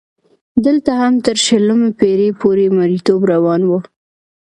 دلته هم تر شلمې پېړۍ پورې مریتوب روان و.